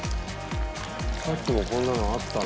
さっきもこんなのあったな。